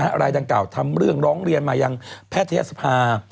รายดังกล่าวทำเรื่องร้องเรียนมายังแพทยศภา